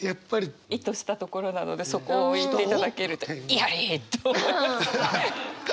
意図したところなのでそこを言っていただけると「やりい！」と思います。